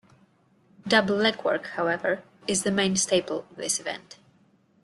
Double leg work however, is the main staple of this event.